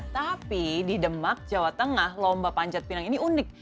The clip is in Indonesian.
tapi di demak jawa tengah lomba panjat pinang ini unik